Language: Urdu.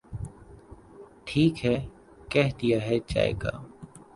ٹھیک ہے کہ دیا ہے چائے کا۔۔۔